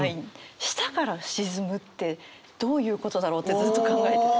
舌から沈むってどういうことだろうってずっと考えてて。